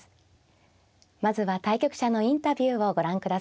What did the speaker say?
まずは対局者のインタビューをご覧ください。